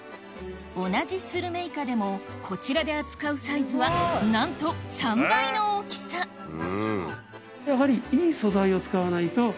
同じスルメイカでもこちらで扱うサイズはなんと３倍の大きさやはり。